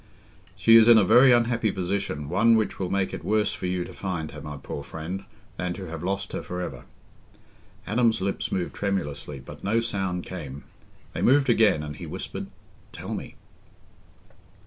"She is in a very unhappy position—one which will make it worse for you to find her, my poor friend, than to have lost her for ever." Adam's lips moved tremulously, but no sound came. They moved again, and he whispered, "Tell me."